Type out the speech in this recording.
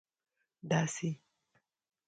داسي